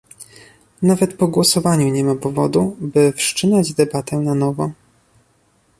Nawet po głosowaniu nie ma powodu, by wszczynać debatę na nowo